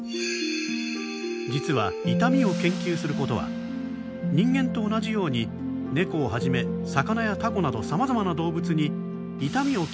実は痛みを研究することは人間と同じようにネコをはじめ魚やタコなどさまざまな動物に痛みを嫌う「感情」